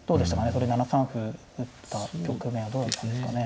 それ７三歩打った局面はどうだったんですかね。